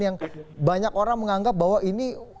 yang banyak orang menganggap bahwa ini